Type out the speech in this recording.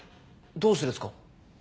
どうしてですか？